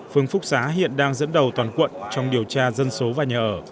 phường phúc xá hiện đang dẫn đầu toàn quận trong điều tra dân số và nhà ở